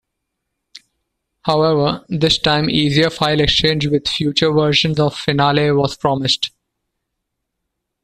However, this time easier file exchange with future versions of Finale was promised.